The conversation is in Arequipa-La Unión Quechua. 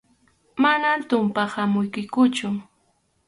Manam tumpaq hamuykikuchu.